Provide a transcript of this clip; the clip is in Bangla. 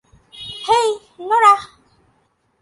হেই, নোরাহ।